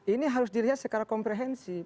ini harus dilihat secara komprehensif